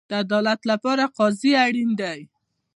د عدالت لپاره قاضي اړین دی